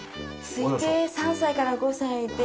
推定３歳から５歳で。